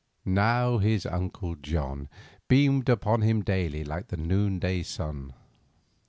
Now his uncle John beamed upon him daily like the noonday sun.